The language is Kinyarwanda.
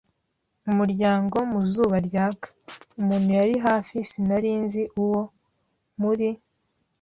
umuryango mu zuba ryaka. Umuntu yari hafi, sinari nzi uwo. Muri